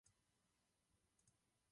Nálev se používal při léčení neštovic.